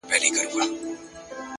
د فکر ازادي ستر ځواک دی,